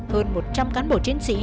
hơn một trăm linh cán bộ chiến sĩ